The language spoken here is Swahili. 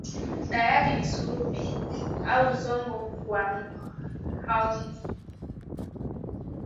Dawa yake ni subili, au zongo huauni,